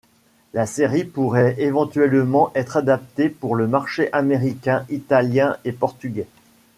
La série pourrait éventuellement être adaptée pour le marché américain, italien et portugais.